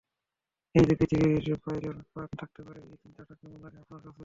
এই যে পৃথিবীর বাইরে প্রাণ থাকতে পারে, এই চিন্তাটা কেমন লাগে আপনার কাছে?